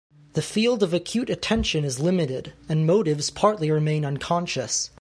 The field of acute attention is limited, and motives partly remain unconscious.